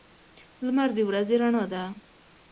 لمر د ورځې رڼا ده.